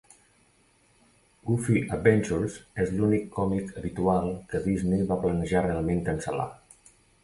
"Goofy Adventures" és l'únic còmic habitual que Disney va planejar realment cancel·lar.